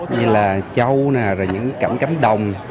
như là châu rồi những cảm cánh đồng